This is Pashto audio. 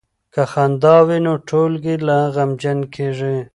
که خندا وي نو ټولګی نه غمجن کیږي.